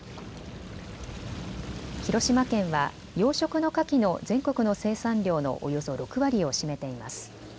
広島県は養殖のかきの全国の生産量のおよそ６割を占めています。